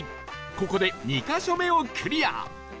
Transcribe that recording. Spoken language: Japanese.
ここで２カ所目をクリア